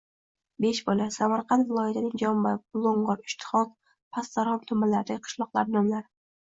Beshbola – Camarqand viloyatining Jomboy, Bulung‘ur, Ishtixon, Past Darg‘om tumanlaridagi qishloqlar nomlari.